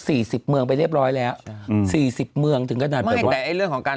สี่สิบเมืองไปเรียบร้อยแล้วสี่สิบเมืองถึงกระดาษไม่แต่เรื่องของการ